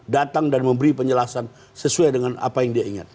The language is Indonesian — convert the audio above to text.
datang dan memberi penjelasan sesuai dengan apa yang dia ingat